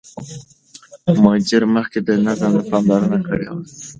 مدیر مخکې د نظم پاملرنه کړې وه.